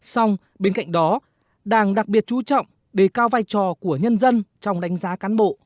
xong bên cạnh đó đảng đặc biệt chú trọng đề cao vai trò của nhân dân trong đánh giá cán bộ